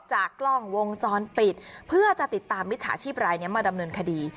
จากกล้องวงจรปิดเพื่อจะติดตามมิจฉาชีพรายนี้มาดำเนินคดี